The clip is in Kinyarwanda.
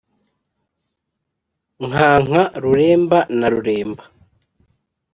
nkanka ruremba na ruremba